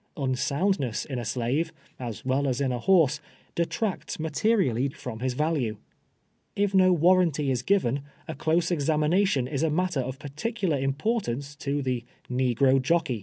Un soundness in a slave, as well as in a hoi se, detracts materially from his value. If no warranty is given, a close examination is a matter of particular impor tance to the negro jockey.